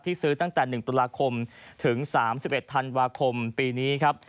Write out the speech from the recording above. ซื้อตั้งแต่๑ตุลาคมถึง๓๑ธันวาคมปีนี้ครับ